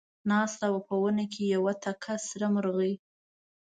ناسته وه په ونه کې یوه تکه سره مرغۍ